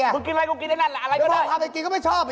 กินอะไรกูกินไอ้นั่นแหละอะไรก็ได้เอาไปกินก็ไม่ชอบ